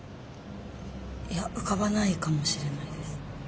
いや浮かばないかもしれないです。